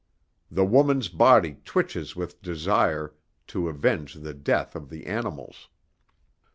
The woman's body twitches with desire to avenge the death of the animal's.